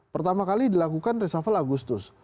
pertama kali dilakukan reshuffle agustus